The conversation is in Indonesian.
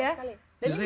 iya sama sekali